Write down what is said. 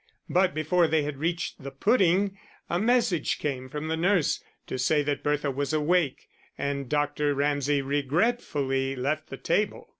But before they had reached the pudding, a message came from the nurse to say that Bertha was awake, and Dr. Ramsay regretfully left the table.